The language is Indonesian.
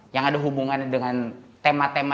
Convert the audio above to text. yang ada hubungannya dengan tema tema